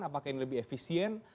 apakah ini lebih efisien